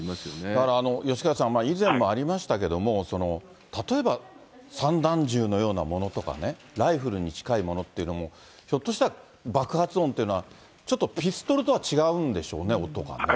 だから吉川さん、以前もありましたけども、例えば、散弾銃のようなものとかね、ライフルに近いものっていうのも、ひょっとしたら爆発音というのは、ちょっとピストルとは違うんですね、音がね。